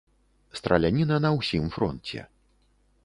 Страляніна на ўсім фронце.